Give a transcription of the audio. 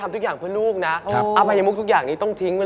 รอที่จะมาอัปเดตผลงานแล้วก็เข้าไปโด่งดังไกลถึงประเทศจีน